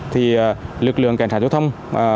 thì lực lượng cảnh sát giao thông